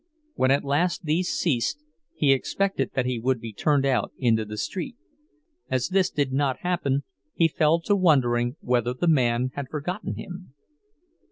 When at last these ceased, he expected that he would be turned out into the street; as this did not happen, he fell to wondering whether the man had forgotten him.